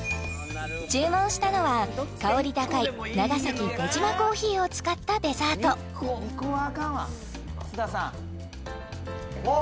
注文したのは香り高い長崎・出島珈琲を使ったデザートあっ！